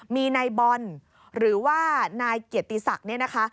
มีนายบอลหรือว่านายเกียรติศักดิ์เนี่ยนะคะ